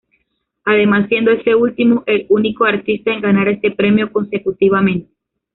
Además siendo este último el único artista en ganar este premio consecutivamente.